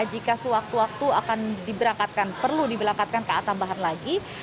jika sewaktu waktu akan diberangkatkan perlu diberangkatkan ka tambahan lagi